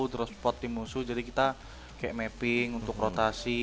terus pot di musuh jadi kita kayak mapping untuk rotasi